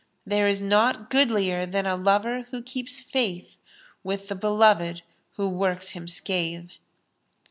* There is naught goodlier than a lover who keeps faith * with the beloved who works him scathe."